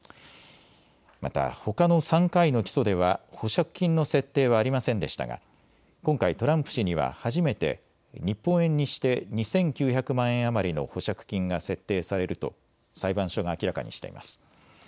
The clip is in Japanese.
また、ほかの３回の起訴では保釈金の設定はありませんでしたが今回トランプ氏には初めて日本円にして２９００万円余りの保釈金が設定されると裁判所が明らかにしています。